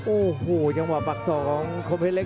โอ้โหยังหวะปักศอกของคมเพศเล็ก